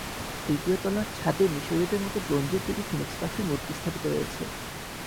তৃতীয় তলার ছাদে মিসরীয়দের মতো ব্রোঞ্জের তৈরি ফিনিক্স পাখির মূর্তি স্থাপিত রয়েছে।